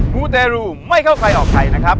มูเตรูไม่เข้าใครออกใครนะครับ